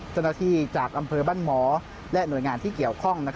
เจ้าหน้าที่จากอำเภอบ้านหมอและหน่วยงานที่เกี่ยวข้อง